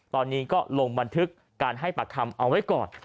ตอนนี้ก็ลงบันทึกการให้ปากคำเอาไว้ก่อน